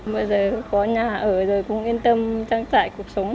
bây giờ có nhà ở rồi cũng yên tâm trang trại cuộc sống